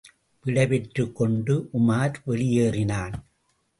விடைபெற்றுக் கொண்டு உமார் வெளியேறினான்.